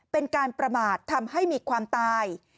เป็นการประมาททำให้มีความตาย